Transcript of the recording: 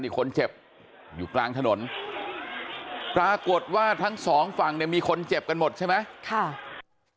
นี่คนเจ็บอยู่กลางถนนปรากฏว่าทั้งสองฝั่งเนี่ยมีคนเจ็บกันหมดใช่ไหมค่ะ